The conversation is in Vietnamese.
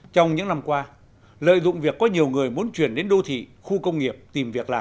trong những năm qua lợi dụng việc có nhiều người muốn chuyển đến đô thị khu công nghiệp tìm việc làm